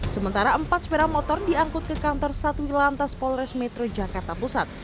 sementara empat sepeda motor diangkut ke kantor satwi lantas polres metro jakarta pusat